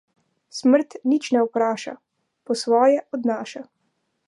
Smrt nič ne vpraša, po svoje odnaša.